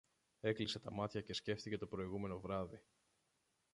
Έκλεισε τα μάτια και σκέφτηκε το προηγούμενο βράδυ